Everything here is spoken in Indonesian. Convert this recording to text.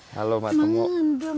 halo mak temuk